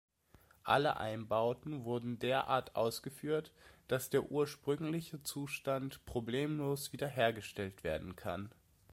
Alle Einbauten wurden derart ausgeführt, dass der ursprüngliche Zustand problemlos wiederhergestellt werden kann.